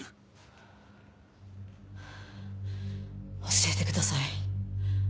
教えてください。